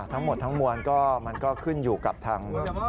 ทั้งหมดทั้งมวลก็มันก็ขึ้นอยู่กับทาง